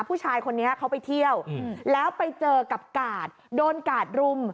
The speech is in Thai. ผู้ชายคนนี้เขาไปเที่ยวแล้วไปเจอกับกาดโดนกาดรุม